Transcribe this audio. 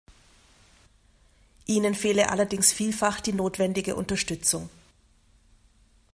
Ihnen fehle allerdings vielfach die notwendige Unterstützung.